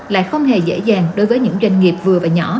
lại không hề dễ dàng đối với những doanh nghiệp vừa và nhỏ